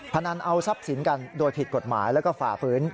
พนันเอาทรัพย์สินกันโดยผิดกฎหมายแล้วก็ฝ่าฝืน